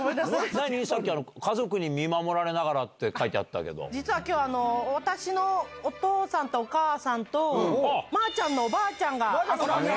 さっき、家族に見守られ実はきょう、私のお父さんとお母さんと、まーちゃんのおばあちゃんがあそこに。